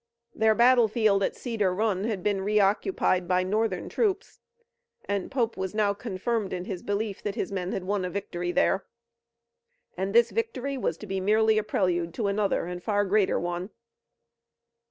Their battlefield at Cedar Run had been reoccupied by Northern troops and Pope was now confirmed in his belief that his men had won a victory there. And this victory was to be merely a prelude to another and far greater one.